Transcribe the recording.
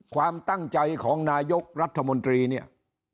ความตั้งใจของนายกรัฐมนตรีเนี่ย